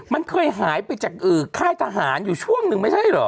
มันเคยหายไปจากค่ายทหารอยู่ช่วงหนึ่งไม่ใช่เหรอ